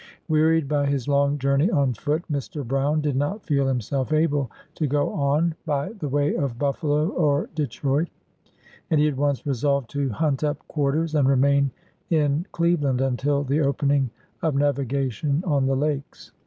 Wearied by his long journey on foot, Mr. Brown did not feel himself able to go on by the AN AMERICAN BONDMAN. 45 way of Buffalo or Detroit, and lie at once resolved to hunt up quarters, and remain in Cleveland until the opening of navigation on the lakes.